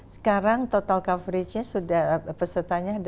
sekarang total coveragenya sudah pesertanya adalah satu ratus delapan puluh dua juta